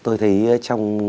tôi thấy trong